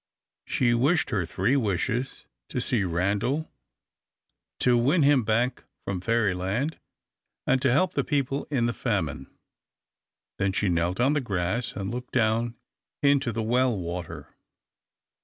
She wished her three wishes: to see Randal, to win him back from Fairyland, and to help the people in the famine. Then she knelt on the grass, and looked down into the well water.